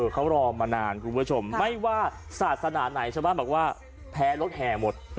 เขารอมานานคุณผู้ชมไม่ว่าศาสนาไหนชาวบ้านบอกว่าแพ้รถแห่หมด